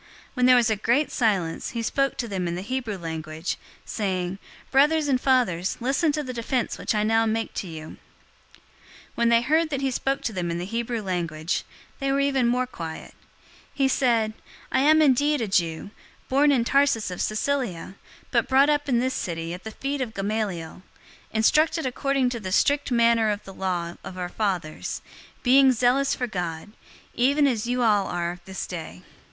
When there was a great silence, he spoke to them in the Hebrew language, saying, 022:001 "Brothers and fathers, listen to the defense which I now make to you." 022:002 When they heard that he spoke to them in the Hebrew language, they were even more quiet. He said, 022:003 "I am indeed a Jew, born in Tarsus of Cilicia, but brought up in this city at the feet of Gamaliel, instructed according to the strict manner of the law of our fathers, being zealous for God, even as you all are this day.